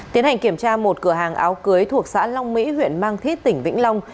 tiến hành kiểm tra một cửa hàng áo cưới thuộc xã long mỹ huyện mang thít tỉnh vĩnh long